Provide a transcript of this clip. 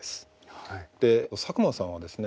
佐久間さんはですね